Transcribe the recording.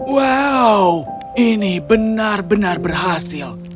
wow ini benar benar berhasil